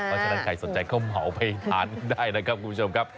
ถ้าใครสนใจก็เหมาไปทานได้นะครับคุณผู้ชมครับ